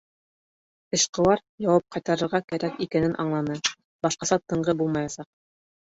Эшҡыуар яуап ҡайтарырға кәрәк икәнен аңланы, башҡаса тынғы булмаясаҡ.